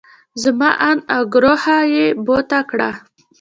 زما اند او ګروهه يې بوته کړه.